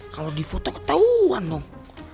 kalo di foto ketauan dong